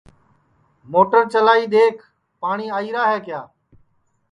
موٹر چلائی دؔیکھ پاٹؔی آئیرا ہے کیا